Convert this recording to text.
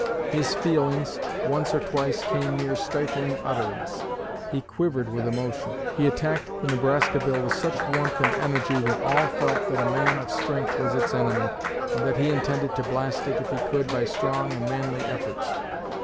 His feelings once or twice came near stifling utterance. He quivered with emotion. He attacked the Nebraska Bill with such warmth and energy that all felt that a man of strength was its enemy, and that he intended to blast it, if he could, by strong and manly efforts.